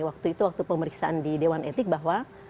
waktu pemeriksaan di dewan etik bahwa